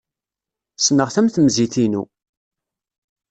Ssneɣ-t am temzit-inu.